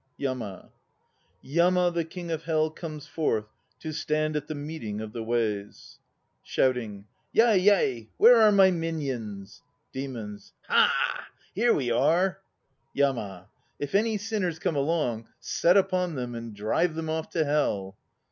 YAMA. Yama the King of Hell comes forth to stand At the Meeting of the Ways. 2 (Shouting.) Yai, yai. Where are my minions? DEMONS. Haa! Here we are. YAMA. If any sinners come along, set upon them and drive them off to Hell.